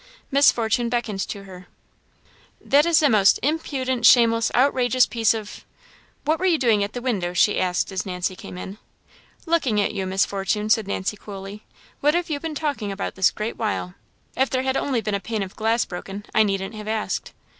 Miss Fortune beckoned to her. "That is the most impudent, shameless, outrageous piece of . What were you doing at the window?" said she as Nancy came in. "Looking at you, Miss Fortune," said Nancy coolly. "What have you been talking about, this great while? If there had only been a pane of glass broken, I needn't have asked."